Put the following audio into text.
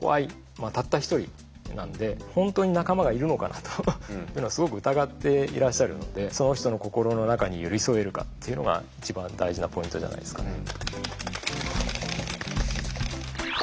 たった一人なんで本当に仲間がいるのかなというのはすごく疑っていらっしゃるのでその人の心の中に寄り添えるかっていうのが一番大事なポイントじゃないですかね。